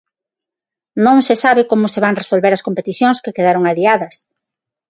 Non se sabe como se van resolver as competicións que quedaron adiadas.